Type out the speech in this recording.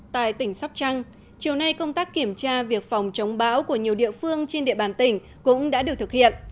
tại tỉnh sóc trăng chiều nay công tác kiểm tra việc phòng chống bão của nhiều địa phương trên địa bàn tỉnh cũng đã được thực hiện